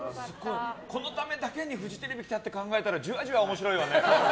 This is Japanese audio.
このためだけにフジテレビ来たって考えたらじわじわ面白いわね。